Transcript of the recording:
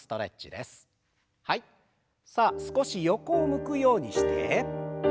さあ少し横を向くようにして。